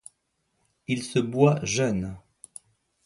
Il se boit jeune.